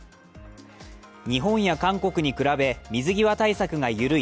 日本や韓国に比べ水際対策が緩い